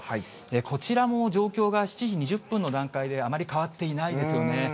こちらも状況が７時２０分の段階であまり変わっていないですよね。